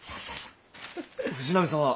藤波様